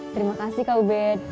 terima kasih kak ubed